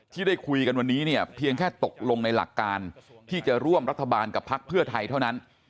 ที่ได้คุยกันวันนี้เนี่ยเพียงแค่ตกลงในหลักการที่จะร่วมรัฐบาลกับพักเพื่อไทยเท่านั้น